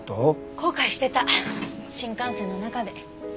後悔してた新幹線の中で。